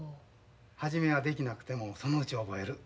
初めはできなくてもそのうち覚える。